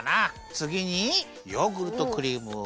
つぎにヨーグルトクリームをいれます。